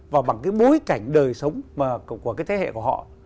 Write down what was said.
và bằng cái bối cảnh đời sống của cái thế hệ của họ